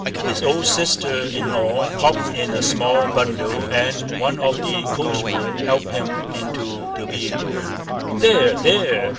His old sister in law popped in a small bundle, and one of the coachmen helped him into the vehicle. "There! There!